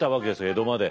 江戸まで。